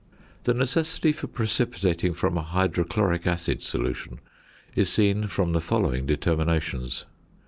The necessity for precipitating from a hydrochloric acid solution is seen from the following determinations.